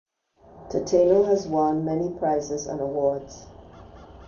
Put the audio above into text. Tateno has won many prizes and awards.